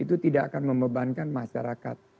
itu tidak akan membebankan masyarakat